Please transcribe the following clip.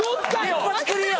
一発クリア！